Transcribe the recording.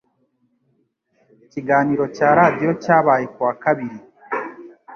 ikiganiro cya Radio cyabaye kuwa Kabiri